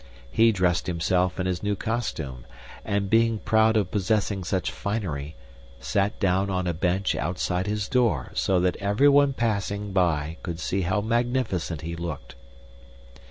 He dressed himself in his new costume and, being proud of possessing such finery, sat down on a bench outside his door so that everyone passing by could see how magnificent he looked.